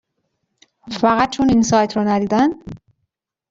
فقط چون این سایت رو ندیدن؟